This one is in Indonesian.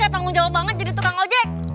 saya tanggung jawab banget jadi tukang ojek